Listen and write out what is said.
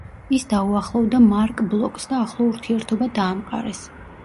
ის დაუახლოვდა მარკ ბლოკს და ახლო ურთიერთობა დაამყარეს.